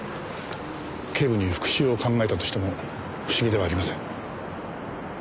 警部に復讐を考えたとしても不思議ではありません。